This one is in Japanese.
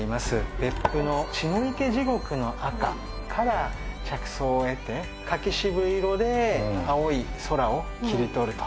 別府の血の池地獄の赤から着想を得て柿渋色で青い空を切り取ると。